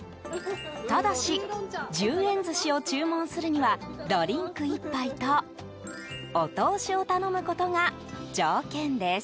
ただし１０円寿司を注文するにはドリンク１杯とお通しを頼むことが条件です。